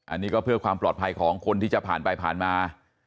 อันนี้ก็เพื่อความปลอดภัยของคนที่จะผ่านไปผ่านมา